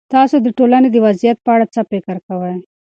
تاسو د ټولنې د وضعيت په اړه څه فکر کوئ؟